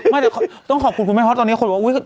ไม่แต่ต้องขอบคุณเพราะตอนนี้ฝึกว่า